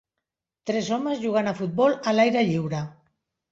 Tres homes jugant a futbol a l'aire lliure.